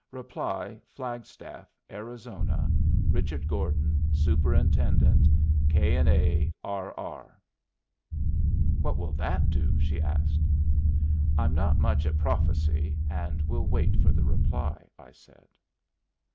Reply Flagstaff, Arizona. RICHARD GORDON, Superintendent K. & A. R. R." "What will that do?" she asked. "I'm not much at prophecy, and we'll wait for the reply," I said.